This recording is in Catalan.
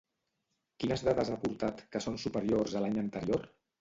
Quines dades ha aportat que són superiors a l'any anterior?